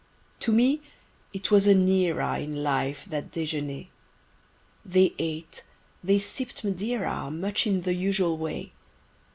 To me it was an Era In life, that Dejeuner! They ate, they sipp'd Madeira Much in the usual way.